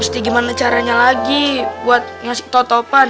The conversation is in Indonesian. mesti gimana caranya lagi buat ngasih tau topan